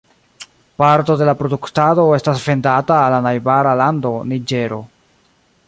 Parto de la produktado estas vendata al la najbara lando Niĝero.